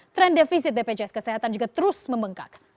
tren defisit bpjs kesehatan juga terus membengkak